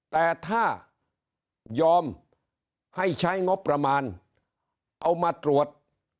แต่ถ้ายอมให้ใช้งบประมาณเอามาตรวจ